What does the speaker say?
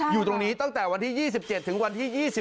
อยู่ตรงนี้ตั้งแต่วันที่๒๗ถึงวันที่๒๗